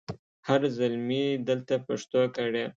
هر زلمي دلته پښو کړي